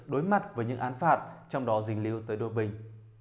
đối mặt với những án phạt trong đó dình lưu tới đôi bình